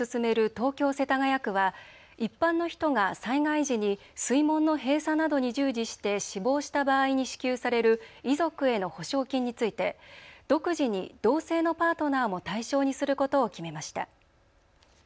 東京世田谷区は一般の人が災害時に水門の閉鎖などに従事して死亡した場合に支給される遺族への補償金について独自に同性のパートナーも対象にすることを決めました。